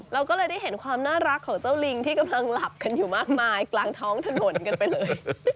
เราก็เลยได้เห็นความน่ารักของเจ้าลิงที่กำลังหลับกันอยู่มากมายกลางท้องถนนกันไปเลย